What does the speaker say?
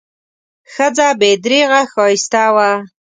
ښځه بې درېغه ښایسته وه.